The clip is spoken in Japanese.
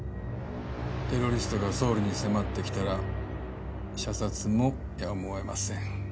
テロリストが総理に迫ってきたら射殺もやむをえません。